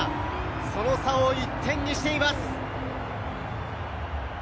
その差を１点にしています。